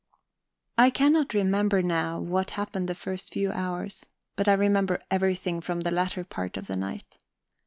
I cannot remember now what happened the first few hours, but I remember everything from the latter part of the night.